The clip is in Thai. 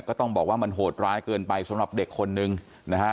ก็ต้องบอกว่ามันโหดร้ายเกินไปสำหรับเด็กคนนึงนะฮะ